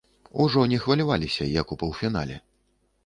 Ужо не хваляваліся, як у паўфінале.